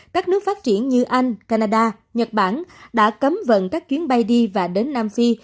các nước phát triển như anh canada nhật bản đã cấm vận các chuyến bay đi và đến nam phi